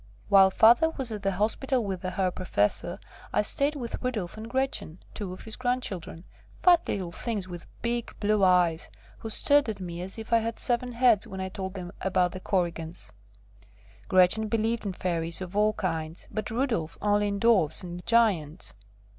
While Father was at the hospitals with the Herr Professor, I stayed with Rudolf and Gretchen, two of his grandchildren fat little things with big blue eyes, who stared at me as if I had seven heads when I told them about the Korrigans. Gretchen believed in Fairies of all kinds, but Rudolf only in Dwarfs and Giants.